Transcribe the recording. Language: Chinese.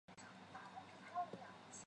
法国路易十四是他的教父。